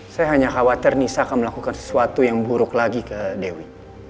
saya hanya khawatir nisa akan melakukan sesuatu yang buruk lagi ke dewi